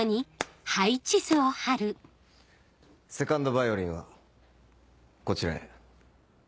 セカンドヴァイオリンはこちらへ。